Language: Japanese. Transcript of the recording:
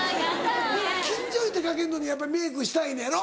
近所に出かけるのにやっぱりメークしたいのやろ。